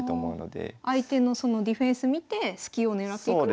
相手のそのディフェンス見てスキを狙っていくのが。